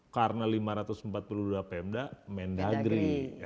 karena lima ratus empat puluh dua pmd mendagri